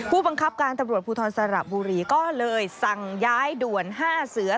ผู้บังคับการตำรวจภูทรสระบุรีก็เลยสั่งย้ายด่วน๕เสือ